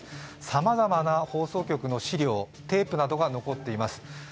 さまざまな放送局の資料テープなどが残っています。